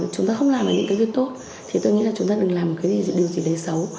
chúng ta không làm những việc tốt thì tôi nghĩ là chúng ta đừng làm điều gì đấy xấu